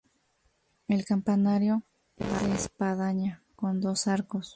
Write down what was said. El campanario es de espadaña con dos arcos.